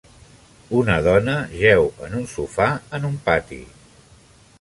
Una dona jeu en un sofà en un pati.